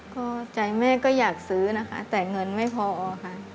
ก็ใจแม่ก็อยากซื้อนะคะแต่เงินไม่พอค่ะ